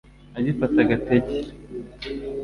Agifata agatege